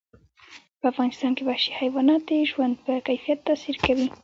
په افغانستان کې وحشي حیوانات د ژوند په کیفیت تاثیر کوي.